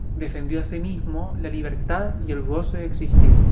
Defendió asimismo la libertad y el goce de existir.